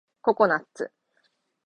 ココナッツ